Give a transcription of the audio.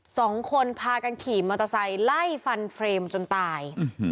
สองคนพากันขี่มอเตอร์ไซค์ไล่ฟันเฟรมจนตาย